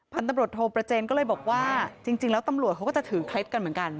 ตำรวจโทประเจนก็เลยบอกว่าจริงแล้วตำรวจเขาก็จะถือเคล็ดกันเหมือนกัน